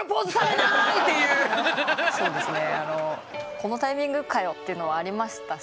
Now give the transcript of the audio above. このタイミングかよ！というのはありましたし。